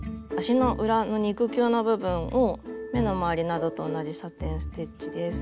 足の裏の肉球の部分を目の周りなどと同じサテン・ステッチです。